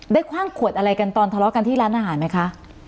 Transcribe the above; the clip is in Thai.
คว่างขวดอะไรกันตอนทะเลาะกันที่ร้านอาหารไหมคะ